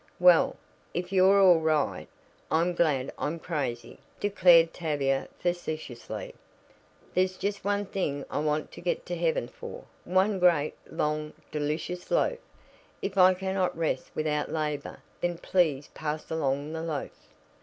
"Well, if you're all right, I'm glad I'm crazy," declared Tavia facetiously. "There's just one thing I want to get to heaven for one great, long, delicious loaf! If I cannot rest without labor, then please pass along the 'loaf.'"